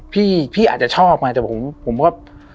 พี่พี่อาจจะชอบไงแต่ผมก็